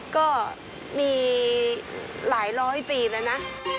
ก็มีหลายร้อยปีแล้วนะ